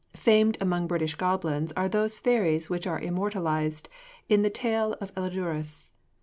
Famed among British goblins are those fairies which are immortalised in the Tale of Elidurus.